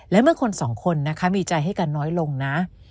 และเมื่อคนสองคนนะคะมีใจให้กันน้อยลงนะ